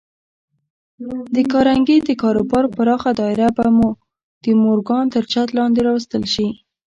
د کارنګي د کاروبار پراخه دايره به د مورګان تر چت لاندې راوستل شي.